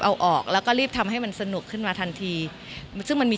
เอาออกแล้วก็รีบทำให้มันสนุกขึ้นมาทันทีซึ่งมันมี